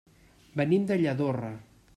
Venim de Lladorre.